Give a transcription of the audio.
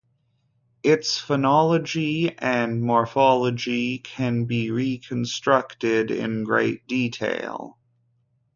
Its phonology and morphology can be reconstructed in great detail.